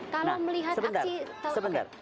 kalau melihat aksi sebentar sebentar